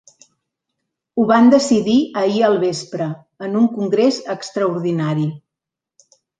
Ho van decidir ahir al vespre, en un congrés extraordinari.